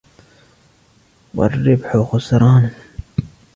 وَالرِّبْحُ خُسْرَانًا